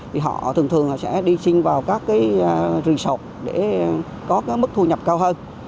thì họ thường thường sẽ đi sinh vào các rừng sọc để có mức thu nhập cao hơn